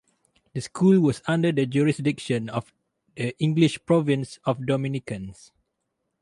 The school was under the jurisdiction of the English Province of Dominicans.